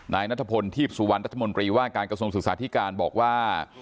นายนัทพลทีพสุวรรณรัฐมนตรีว่าการกระทรวงศึกษาธิการบอกว่า